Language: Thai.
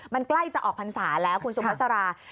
มันใกล้จะออกผันสารแล้วคุณสุพัฒนาสารา